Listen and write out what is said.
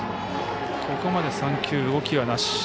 ここまで３球動きなし。